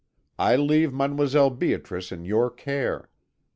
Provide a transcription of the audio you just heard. I leave Mdlle. Beatrice in your care.